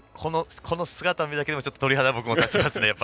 この姿を見るだけでも鳥肌が立ちますね。